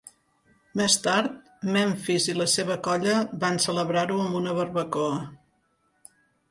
Més tard, Memphis i la seva colla van celebrar-ho amb una barbacoa.